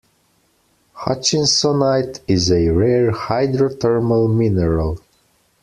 Hutchinsonite is a rare hydrothermal mineral.